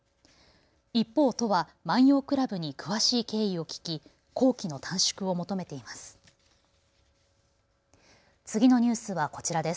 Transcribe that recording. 一方、都は万葉倶楽部に詳しい経緯を聞き工期の短縮を求めています。